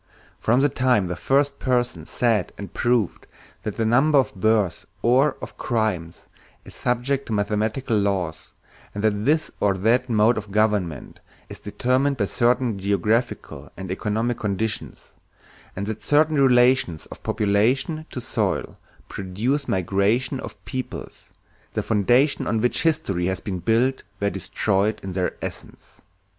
From the time the first person said and proved that the number of births or of crimes is subject to mathematical laws, and that this or that mode of government is determined by certain geographical and economic conditions, and that certain relations of population to soil produce migrations of peoples, the foundations on which history had been built were destroyed in their essence.